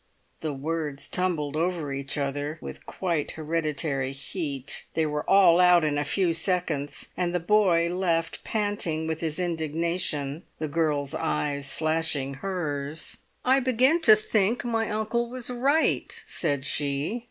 The words tumbled over each other with quite hereditary heat. They were all out in a few seconds, and the boy left panting with his indignation, the girl's eyes flashing hers. "I begin to think my uncle was right," said she.